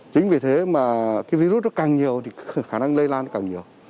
chính vì thế mà cái virus nó càng nhiều thì khả năng lây lan càng nhiều